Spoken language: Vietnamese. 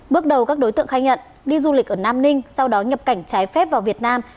bước đầu các đối tượng khai nhận đi du lịch ở nam ninh sau đó nhập cảnh trái phép vào việt nam